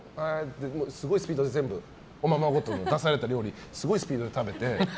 すごいスピードでおままごとの出された料理すごいスピードで食べて。